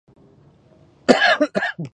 د وينا جريان ته يې ور ګرځولم او خوښ يې کړم.